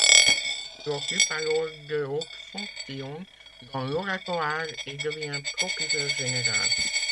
Il occupe alors de haute fonction dans l'Oratoire et devient Procureur général.